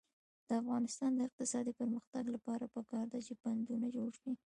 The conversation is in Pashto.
د افغانستان د اقتصادي پرمختګ لپاره پکار ده چې بندونه جوړ شي.